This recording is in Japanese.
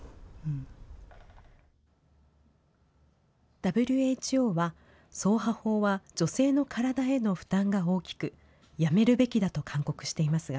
ＷＨＯは、そうは法は女性の体への負担が大きく、やめるべきだと勧告していますが、